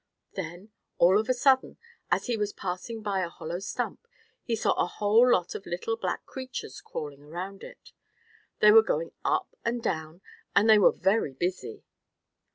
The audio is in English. Then, all of a sudden, as he was passing by a hollow stump, he saw a whole lot of little black creatures crawling around it. They were going up and down, and they were very busy.